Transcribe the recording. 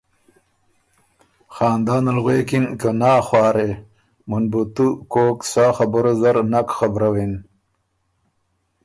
خاندانه ل غوېکِن که نا خوارې! مُن بُو تُو کوک سا خبُره زر نک خبرَوِن